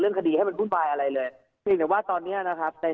คดีให้มันวุ่นวายอะไรเลยเพียงแต่ว่าตอนเนี้ยนะครับใน